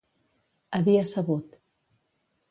A dia sabut.